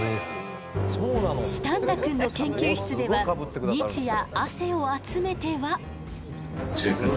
四反田くんの研究室では日夜、汗を集めては。